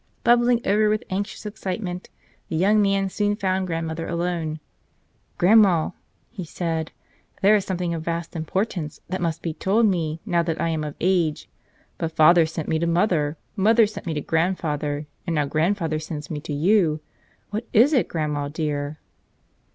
Bubbling over with anxious excitement, the young man soon found grandmother alone. "Grandma," he said, "there is something of vast importance that must be told me now that I am of age. But father sent me to mother, mother sent me to grandfather, and now grandfather sends me to you. What is it, grandma dear?"